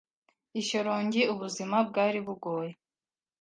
I Shyorongi, ubuzima bwari bugoye,